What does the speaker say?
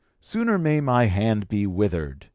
Sooner may my hand be withered.'